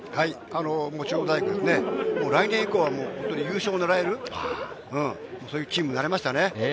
中央大学、来年以降は優勝を狙える、そういうチームになりましたね。